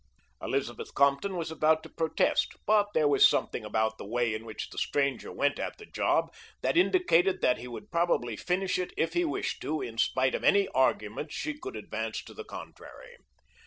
Elizabeth Compton was about to protest, but there was something about the way in which the stranger went at the job that indicated that he would probably finish it if he wished to, in spite of any arguments she could advance to the contrary.